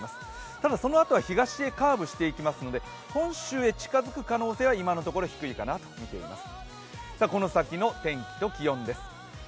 ただそのあとは東へカーブしていきますので本州へ近づく可能性は今のところ低いかなとみています。